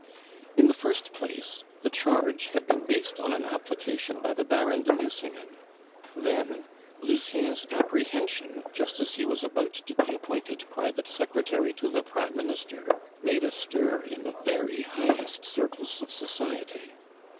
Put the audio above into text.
In the first place, the charge had been based on an application by the Baron de Nucingen; then, Lucien's apprehension, just as he was about to be appointed private secretary to the Prime Minister, made a stir in the very highest circles of society.